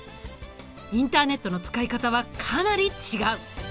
インターネットの使い方はかなり違う。